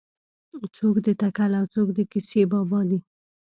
څوک د تکل او څوک د کیسې بابا دی.